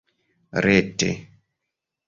rete